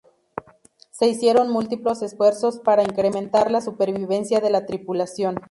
Se hicieron múltiples esfuerzos para incrementar la supervivencia de la tripulación.